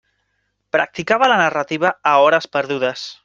Practicava la narrativa a hores perdudes.